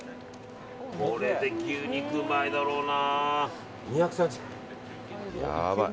これで牛肉うまいだろうな。